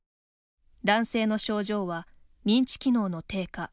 男性の症状は、認知機能の低下